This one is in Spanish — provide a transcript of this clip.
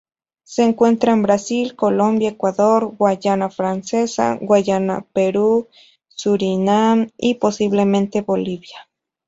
Se encuentra en Brasil, Colombia, Ecuador, Guayana Francesa, Guyana, Perú, Surinam y, posiblemente, Bolivia.